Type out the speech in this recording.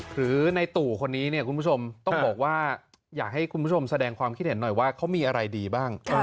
หรือในตู่คนนี้เนี่ยคุณผู้ชมต้องบอกว่าอยากให้คุณผู้ชมแสดงความคิดเห็นหน่อยว่าเขามีอะไรดีบ้าง